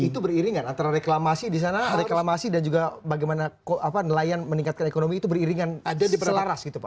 itu beriringan antara reklamasi di sana reklamasi dan juga bagaimana nelayan meningkatkan ekonomi itu beriringan selaras gitu pak